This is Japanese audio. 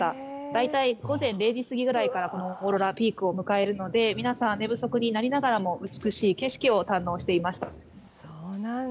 大体午前０時過ぎぐらいからオーロラはピークを迎えるので皆さん、寝不足になりながらも美しい景色を堪能していました。